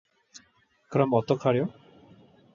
그럼 어떡하려?